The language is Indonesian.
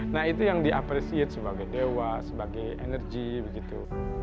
nah itu yang diapresiasi sebagai dewa sebagai energi begitu